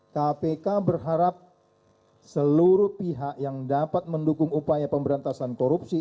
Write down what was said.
kpk berharap seluruh pihak yang dapat mendukung upaya pemberantasan korupsi